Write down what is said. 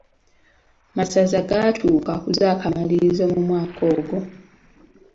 Masaza gaatuuka ku zakamalirizo mu mwaka ogwo.